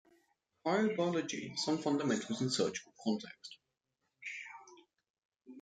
Cryobiology: some fundamentals in surgical context.